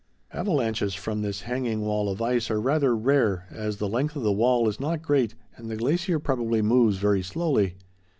Avalanches from this hanging wall of ice are rather rare, as the length of the wall is not great and the glacier probably moves very slowly.